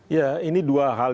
ya ini dua hal